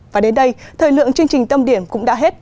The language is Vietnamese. và đến đây thời lượng chương trình tâm điểm cũng đã hết